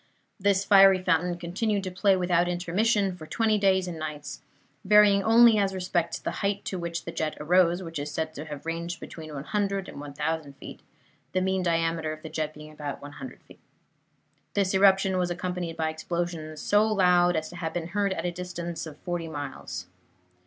This fiery fountain continued to play without intermission for twenty days and nights, varying only as respects the height to which the jet arose, which is said to have ranged between 100 and 1,000 feet, the mean diameter of the jet being about 100 feet. This eruption was accompanied by explosions so loud as to have been heard at a distance of forty miles.